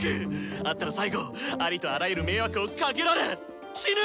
会ったら最後ありとあらゆる迷惑をかけられ死ぬ！